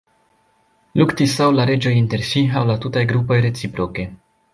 Luktis aŭ la reĝoj inter si aŭ la tutaj grupoj reciproke.